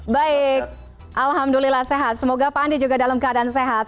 baik alhamdulillah sehat semoga pak andi juga dalam keadaan sehat